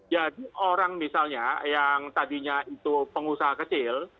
jadi orang misalnya yang tadinya itu pengusaha kecil